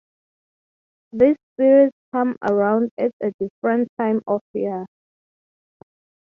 These spirits come around at a different time of year.